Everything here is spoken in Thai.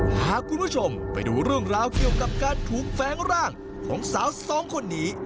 พาคุณผู้ชมไปดูเรื่องราวเกี่ยวกับการถูกแฟ้งร่างของสาวสองคนนี้